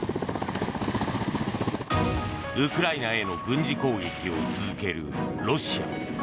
ウクライナへの軍事攻撃を続けるロシア。